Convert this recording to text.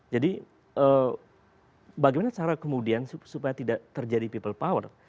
jadi bagaimana cara kemudian supaya tidak terjadi people power